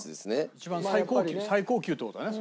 一番最高級って事だね。